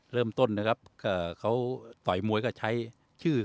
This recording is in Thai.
เริ่มต้นนะครับเขาต่อยมวยก็ใช้ชื่อ